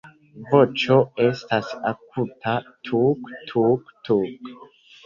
Voĉo estas akuta "tuk-tuk-tuk".